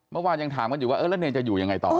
เมื่อวานยังถามกันอยู่ว่าเออแล้วเนรจะอยู่ยังไงต่อ